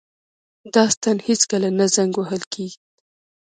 دا ستن هیڅکله نه زنګ وهل کیږي.